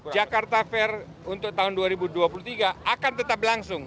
jakarta fair untuk tahun dua ribu dua puluh tiga akan tetap langsung